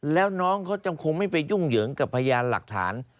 แล้วน้องเขาจำคงไม่ไปยุ่งเหยิงกับพยานหลักฐาน